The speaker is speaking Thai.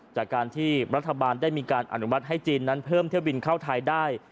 จากการที่รัฐบาลได้มีการอนุมัติให้จีนนั้นเพิ่มเที่ยวบินเข้าไทยได้